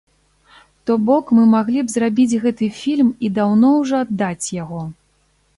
То бок мы маглі б зрабіць гэты фільм і даўно ўжо аддаць яго.